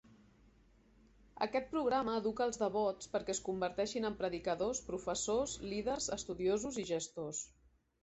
Aquest programa educa els devots perquè es converteixin en predicadors, professors, líders, estudiosos i gestors.